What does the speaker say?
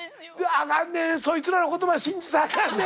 あかんでそいつらの言葉信じたらあかんで！